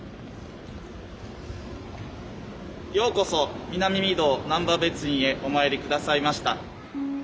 ようこそ南御堂難波別院へお参り下さいました。